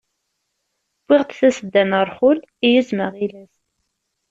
Wwiɣ-d tasedda n rrxul, i yizem aɣilas.